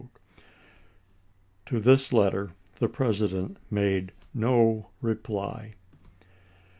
ms. To this letter the President made no reply.